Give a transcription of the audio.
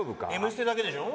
『Ｍステ』だけでしょ？